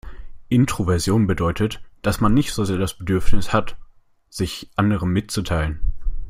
Introversion bedeutet, dass man nicht so sehr das Bedürfnis hat, sich anderen mitzuteilen.